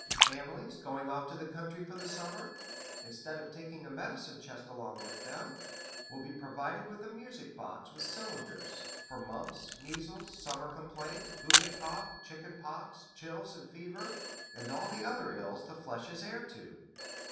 Families going off to the country for the summer, instead of taking a medicine chest along with them, will be provided with a music box with cylinders for mumps, measles, summer complaint, whooping cough, chicken pox, chills and fever, and all the other ills the flesh is heir to.